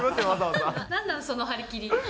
なんだ、その張り切り。